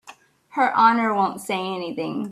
Her Honor won't say anything.